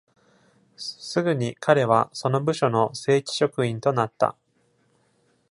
すぐに、彼はその部署の正規職員となった。